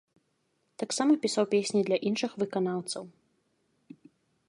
Таксама пісаў песні для іншых выканаўцаў.